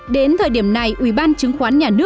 đến thời điểm này ubnd